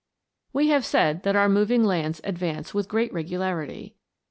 * We have said that our moving lands advance with great regularity.